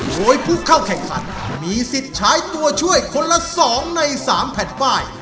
โดยผู้เข้าแข่งขันมีสิทธิ์ใช้ตัวช่วยคนละ๒ใน๓แผ่นป้าย